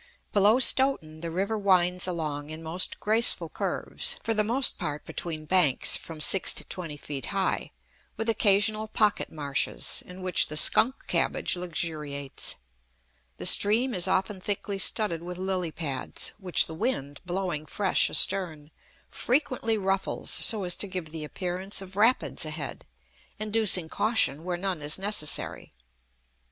Below Stoughton the river winds along in most graceful curves, for the most part between banks from six to twenty feet high, with occasional pocket marshes, in which the skunk cabbage luxuriates. The stream is often thickly studded with lily pads, which the wind, blowing fresh astern, frequently ruffles so as to give the appearance of rapids ahead, inducing caution where none is necessary.